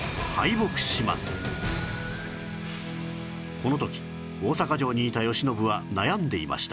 この時大坂城にいた慶喜は悩んでいました